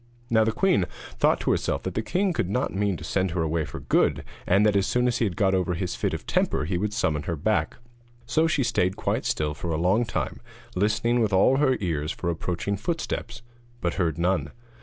Now the queen thought to herself that the king could not mean to send her away for good, and that as soon as he had got over his fit of temper he would summon her back; so she stayed quite still for a long time, listening with all her ears for approaching footsteps, but heard none.